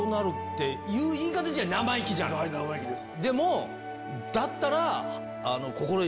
生意気です。